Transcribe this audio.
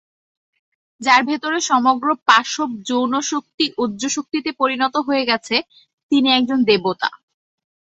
যাঁর ভেতরে সমগ্র পাশব যৌনশক্তি ওজঃশক্তিতে পরিণত হয়ে গেছে, তিনি একজন দেবতা।